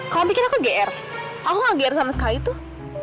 kamu pikir aku geer aku gak geer sama sekali tuh